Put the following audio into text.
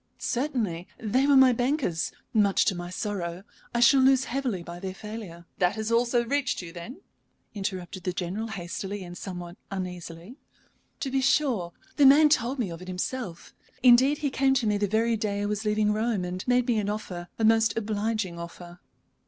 "Certainly. They were my bankers, much to my sorrow. I shall lose heavily by their failure." "That also has reached you, then?" interrupted the General, hastily and somewhat uneasily. "To be sure. The man told me of it himself. Indeed, he came to me the very day I was leaving Rome, and made me an offer a most obliging offer."